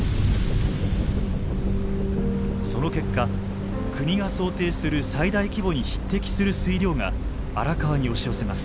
その結果国が想定する最大規模に匹敵する水量が荒川に押し寄せます。